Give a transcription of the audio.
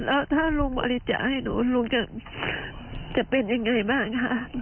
แล้วถ้าลุงบริจาคให้หนูลุงจะเป็นยังไงบ้างคะ